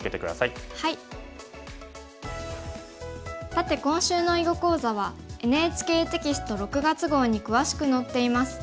さて今週の囲碁講座はＮＨＫテキスト６月号に詳しく載っています。